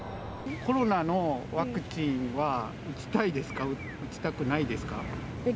コロナのワクチンは打ちたいですか？